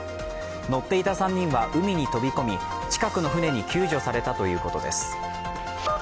乗っていた３人は海に飛び込み近くの船に救助されたということです。